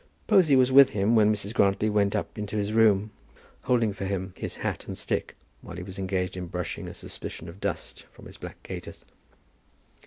Posy was with him when Mrs. Grantly went up into his room, holding for him his hat and stick while he was engaged in brushing a suspicion of dust from his black gaiters.